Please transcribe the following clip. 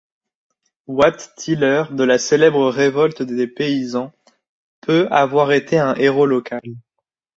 Wat Tyler, de la célèbre révolte des paysans, peut avoir été un héros local.